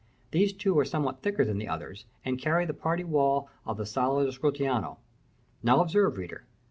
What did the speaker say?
These two are somewhat thicker than the others, and carry the party wall of the Sala del Scrutinio. Now observe, reader.